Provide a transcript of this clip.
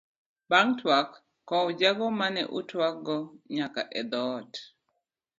Ban'g twak kow jago mane utwak go oko nyaka e thoot.